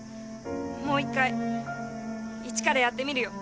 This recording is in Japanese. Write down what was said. もう１回一からやってみるよ。